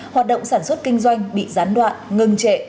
hoạt động sản xuất kinh doanh bị gián đoạn ngừng trệ